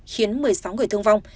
khiến một mươi sáu người thương vong